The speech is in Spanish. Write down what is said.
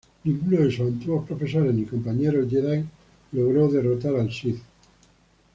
Ninguno de sus antiguos profesores ni compañeros Jedi lograron derrotar al Sith.